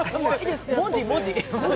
文字、文字。